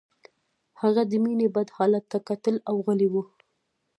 هغه د مينې بد حالت ته کتل او غلی و